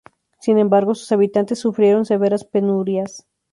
Sin embargo, sus habitantes sufrieron severas penurias.